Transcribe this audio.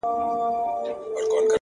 o زه چي د شپې خوب كي ږغېږمه دا؛